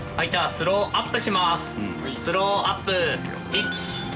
スローアップ。